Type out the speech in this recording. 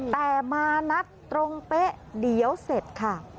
แต่มานัดตรงเป๊ะเดี๋ยวเสร็จค่ะ